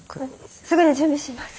すぐに準備します。